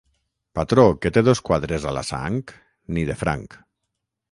Patró que té dos quadres a la Sang, ni de franc.